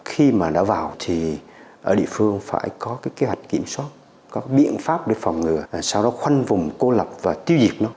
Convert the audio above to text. khi mà đã vào thì ở địa phương phải có cái kế hoạch kiểm soát có biện pháp để phòng ngừa sau đó khoanh vùng cô lập và tiêu diệt nó